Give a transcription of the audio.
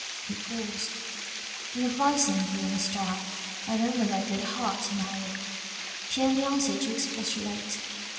He paused. "In advising thee in this style, I have only thy good at heart, Mary." She only answered to expostulate.